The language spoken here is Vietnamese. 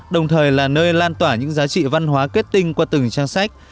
đồng thời là nơi lan tỏa những giá trị văn hóa kết tinh qua từng trang sách